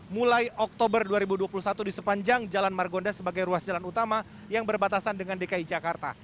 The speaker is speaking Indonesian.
mulai oktober dua ribu dua puluh satu di sepanjang jalan margonda sebagai ruas jalan utama yang berbatasan dengan dki jakarta